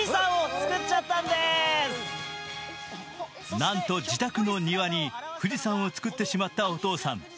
なんと自宅の庭に富士山を作ってしまったお父さん。